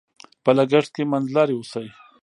په لګښت کې منځلاري اوسئ.